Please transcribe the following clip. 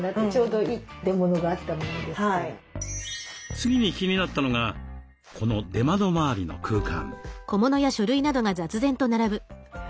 次に気になったのがこの出窓周りの空間。